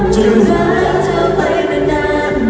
เธอรักเธอไปไม่นาน